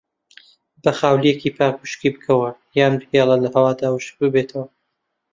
بە خاولیەکی پاک وشکی بکەوە یان بهێڵە لەهەوادا وشک ببێتەوە.